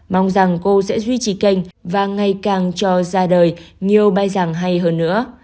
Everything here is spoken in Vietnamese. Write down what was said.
mong rằng cô sẽ duy trì kênh và ngày càng cho ra đời nhiều bài giảng hay hơn nữa